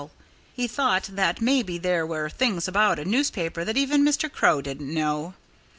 He thought that maybe there were things about a newspaper that even Mr. Crow didn't know.